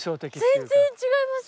全然違います。